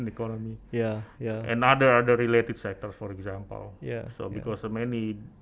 dan sebagian bagian sektor yang berkaitan misalnya